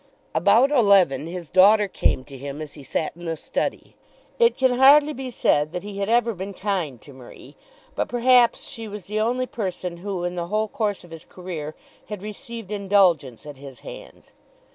About eleven his daughter came to him as he sat in the study. It can hardly be said that he had ever been kind to Marie, but perhaps she was the only person who in the whole course of his career had received indulgence at his hands.